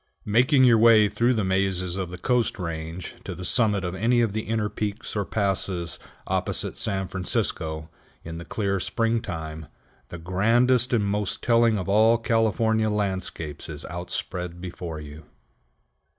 Making your way through the mazes of the Coast Range to the summit of any of the inner peaks or passes opposite San Francisco, in the clear springtime, the grandest and most telling of all California landscapes is outspread before you.